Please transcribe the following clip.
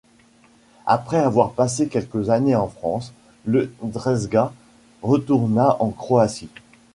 Après avoir passé quelques années en France, le Drezga retourna en Croatie.